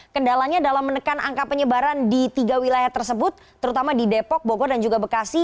kendalanya dalam menekan angka penyebaran di tiga wilayah tersebut terutama di depok bogor dan juga bekasi